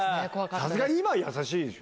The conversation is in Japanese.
さすがに今は優しいでしょ。